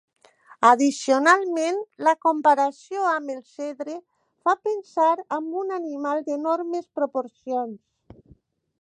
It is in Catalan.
Addicionalment, la comparació amb el cedre fa pensar amb un animal d'enormes proporcions.